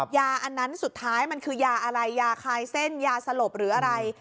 อันนั้นสุดท้ายมันคือยาอะไรยาคลายเส้นยาสลบหรืออะไร